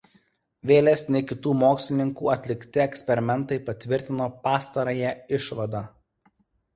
Vėlesni kitų mokslininkų atlikti eksperimentai patvirtino pastarąją išvadą.